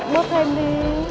bớt thêm đi